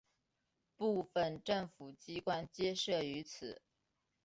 部分政府机关皆设于此。